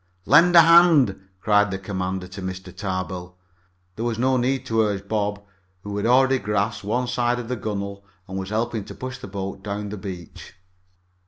"Lend a hand!" cried the commander to Mr. Tarbill. There was no need to urge Bob, who had already grasped one side of the gunwale and was helping to push the boat down the beach.